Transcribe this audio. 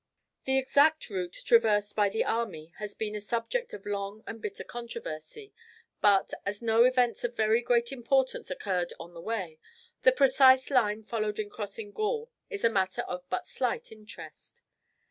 The exact route traversed by the army has been a subject of long and bitter controversy; but, as no events of very great importance occurred on the way, the precise line followed in crossing Gaul is a matter of but slight interest.